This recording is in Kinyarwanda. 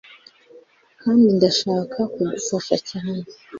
Kandi ndashaka kugufasha cyane